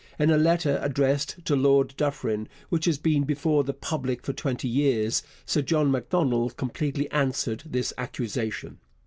In a letter addressed to Lord Dufferin, which has been before the public for twenty years, Sir John Macdonald completely answered this accusation.